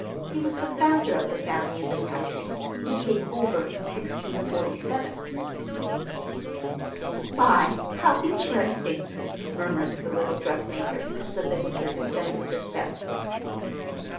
He was the founder of the family in this country. He came over in 1647." "My, how interesting!" murmured the little dressmaker, as the visitor descended the steps.